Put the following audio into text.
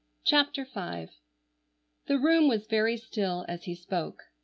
CHAPTER V The room was very still as he spoke.